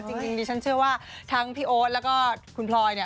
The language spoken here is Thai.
จริงดิฉันเชื่อว่าทั้งพี่โอ๊ตแล้วก็คุณพลอยเนี่ย